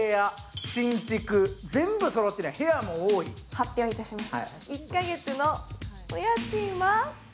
発表いたします。